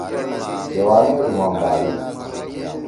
بیوا می ڈُھومام بھادی۔